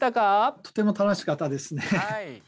とても楽しかったですね。